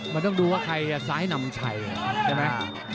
มันต้องดูว่าใครจะซ้ายนำชัยใช่ไหม